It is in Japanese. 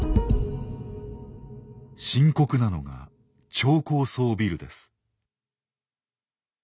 深刻なのが超高層ビルです。